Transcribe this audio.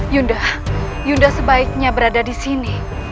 yunda yunda sebaiknya berada disini